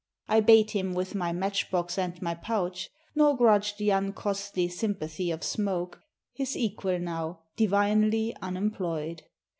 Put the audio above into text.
I bait him with my match box and my pouch, Nor grudge the uncostly sympathy of smoke, His equal now, divinely unemployed.